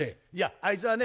あいつはね